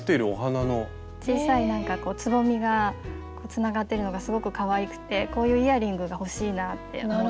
小さいつぼみがつながってるのがすごくかわいくてこういうイヤリングが欲しいなって思って。